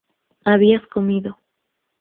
habías comido